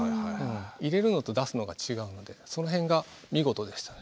入れるのと出すのは違うのでその辺が見事でしたね。